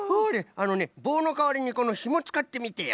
あのねぼうのかわりにこのひもつかってみてよ